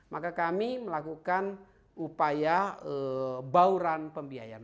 maka kami melakukan upaya bauran pembiayaan